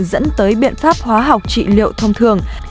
dẫn tới biện pháp hóa học trị liệu thông thường